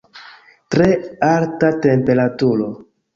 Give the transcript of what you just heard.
Tre alta temperaturo.